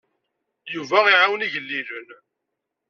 Yuba iɛawen igellilen.